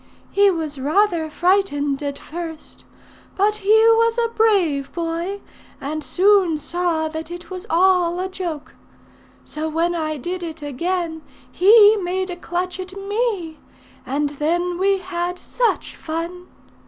He was rather frightened at first; but he was a brave boy, and soon saw that it was all a joke. So when I did it again, he made a clutch at me; and then we had such fun!